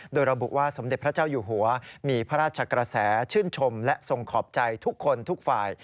โดยระบุว่าสมเด็จพระเจ้าอยู่หัวมีพระราชกระแสชื่นชมและทรงขอบใจทุกคนทุกฝ่าย